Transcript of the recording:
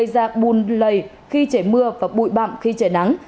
đặt bùn lầy khi chảy mưa và bụi bạm khi chảy nắng